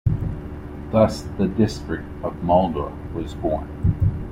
Thus the district of Malda was born.